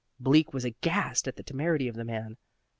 Bleak was aghast at the temerity of the man.